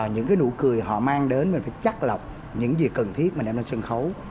những cái nụ cười họ mang đến mình phải chắc lọc những gì cần thiết mình đem lên sân khấu